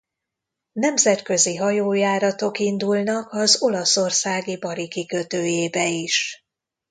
Nemzetközi hajójáratok indulnak az olaszországi Bari kikötőjébe is.